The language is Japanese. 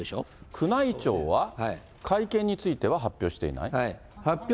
宮内庁は、会見については発表していない？